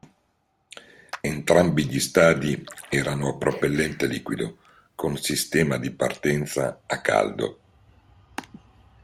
Entrambi gli stadi erano a propellente liquido, con sistema di partenza “a caldo”.